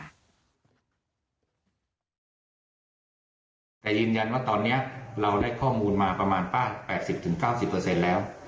แต่ยืนยันว่าตอนนี้เราได้ข้อมูลมาประมาณป้า๘๐๙๐แล้ว